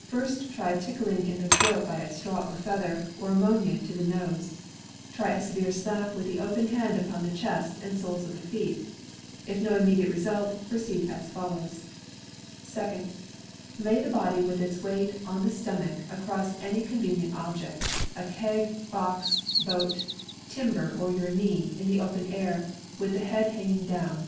ACCIDENTS 321 First try tickling in the throat by a straw or feather, or ammonia to the nose; try a severe slap with the open hand upon the chest and soles of feet; if no immediate result, proceed as follows : Second — Lay the body with its weight on the stomach, across any convenient object, a keg, box, boat, timber or your knee, in the open air, with the head hanging down.